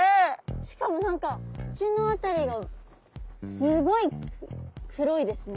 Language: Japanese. しかも何か口の辺りがすごい黒いですね。